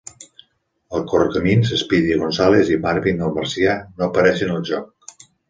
El Correcamins, Speedy Gonzales i Marvin el Marcià no apareixen al joc.